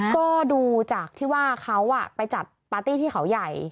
ก็ดูจากที่ว่าเขาไปจัดปาร์ตี้ที่เขาใหญ่